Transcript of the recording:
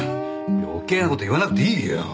余計な事言わなくていいよ！